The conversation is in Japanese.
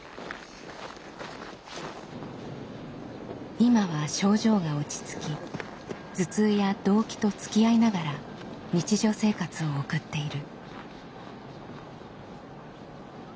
今は症状が落ち着き頭痛やどうきとつきあいながら日常生活を送っている。